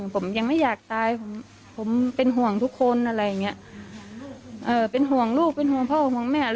ผมยังไม่อยากตายผมเป็นห่วงทุกคนเป็นห่วงลูกเป็นห่วงพ่อห่วงแม่